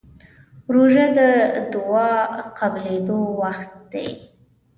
روژه د دعا قبولېدو وخت دی.